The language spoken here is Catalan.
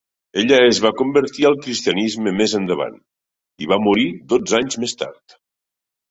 Ella es va convertir al Cristianisme més endavant, i va morir dotze anys més tard.